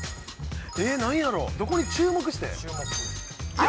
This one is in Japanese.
えっ何やろどこに注目して？